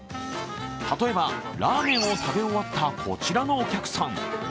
例えばラーメンを食べ終わったこちらのお客さん。